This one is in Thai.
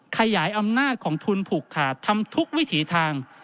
ขยายอำนาจของทุนผูกขาดทำทุกวิถีทาง